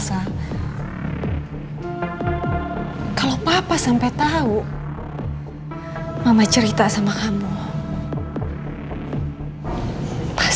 soal yang hadi beragama